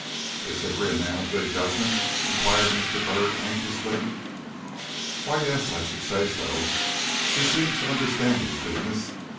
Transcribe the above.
"Is this Hickory a man of good judgment?" inquired Mr. Byrd, anxiously. "Why, yes, I should say so. He seems to understand his business.